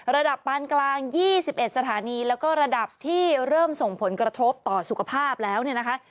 ปานกลาง๒๑สถานีแล้วก็ระดับที่เริ่มส่งผลกระทบต่อสุขภาพแล้วเนี่ยนะคะ